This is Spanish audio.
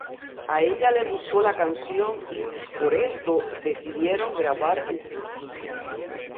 A ella le gustó la canción y, por esto, decidieron grabar el sencillo.